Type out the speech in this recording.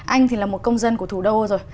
anh thì là một công dân của thủ đô rồi